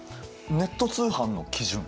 ネット通販の基準？